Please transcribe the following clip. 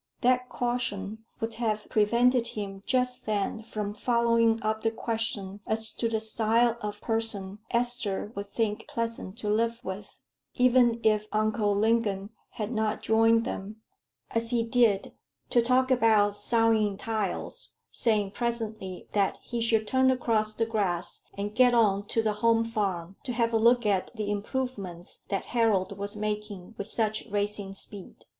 That caution would have prevented him just then from following up the question as to the style of person Esther would think pleasant to live with, even if Uncle Lingon had not joined them, as he did, to talk about soughing tiles, saying presently that he should turn across the grass and get on to the Home Farm, to have a look at the improvements that Harold was making with such racing speed.